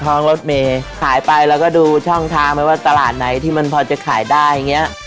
รถเมย์ขายไปแล้วก็ดูช่องทางไปว่าตลาดไหนที่มันพอจะขายได้อย่างเงี้ย